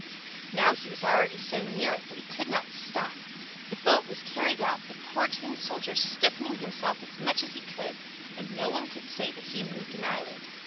Now he was already so near it that he could not stop. The boat was carried out, the poor Tin Soldier stiffening himself as much as he could, and no one could say that he moved an eyelid.